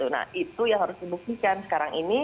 nah itu yang harus dibuktikan sekarang ini